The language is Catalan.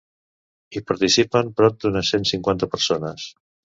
Hi participen prop d'unes cent cinquanta persones.